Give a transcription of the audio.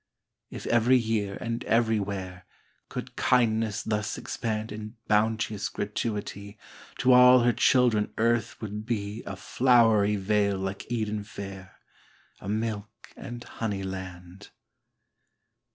If every year and everywhere Could kindness thus expand In bounteous gratuity, To all her children earth would be A flowery vale like Eden fair, A milk and honey land.